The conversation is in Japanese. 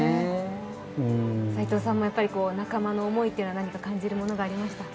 斎藤さんも仲間の思いというのは何か感じるものがありましたか？